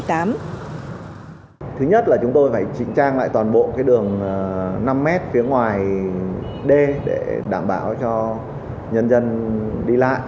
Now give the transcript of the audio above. thứ nhất là chúng tôi phải chỉnh trang lại toàn bộ cái đường năm m phía ngoài đê để đảm bảo cho nhân dân đi lại